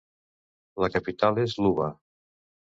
La capital és Luba.